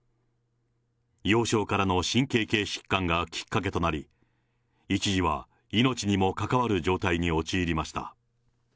幼少からの神経系疾患がきっかけとなり、一時は命にも関わる状態に陥りました。